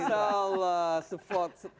insya allah support